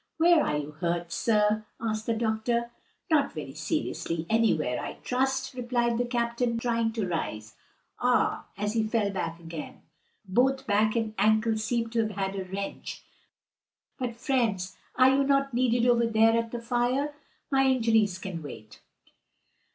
"Where are you hurt, sir?" asked the doctor. "Not very seriously anywhere, I trust," replied the captain, trying to rise. "Ah!" as he fell back again, "both back and ankle seem to have had a wrench. But, friends, are you not needed over there at the fire? My injuries can wait."